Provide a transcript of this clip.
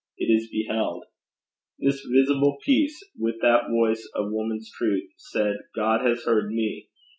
It is beheld. This visible Peace, with that voice of woman's truth, said, 'God has heard me!'